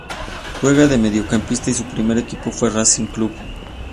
Juega de mediocampista y su primer equipo fue Racing Club.